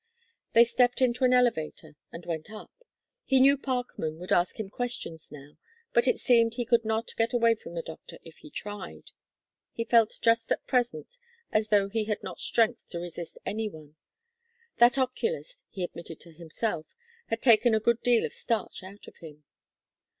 They stepped into an elevator and went up. He knew Parkman would ask him questions now, but it seemed he could not get away from the doctor if he tried. He felt just at present as though he had not strength to resist any one. That oculist, he admitted to himself, had taken a good deal of starch out of him.